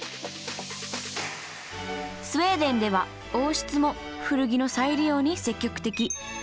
スウェーデンでは王室も古着の再利用に積極的。